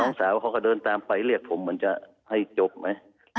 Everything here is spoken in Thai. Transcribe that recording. สาวเขาก็เดินตามไปเรียกผมเหมือนจะให้จบไหม